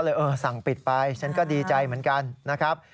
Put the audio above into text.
เออสั่งปิดไปฉันก็ดีใจเหมือนกันนะครับ